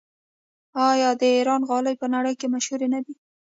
آیا د ایران غالۍ په نړۍ کې مشهورې نه دي؟